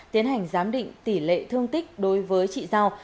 tiến hành giám định tỷ lệ thương tích đối với chị giao